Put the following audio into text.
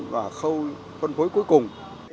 và khâu phân phối cuối cùng